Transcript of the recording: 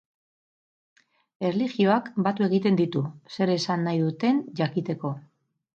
Erlijioak batu egiten ditu, zer esan nahi duten jakiteko.